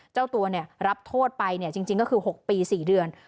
เจ้าตัวเนี่ยรับโทษไปเนี่ยจริงก็คือ๖ปี๔เดือน